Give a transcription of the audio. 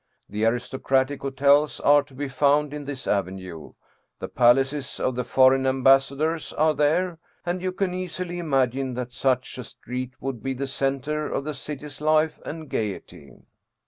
The aristocratic hotels are to be found in this avenue, the palaces of the foreign ambassadors are there, and you can easily imagine that such a street would be the center of the city's life and gayety.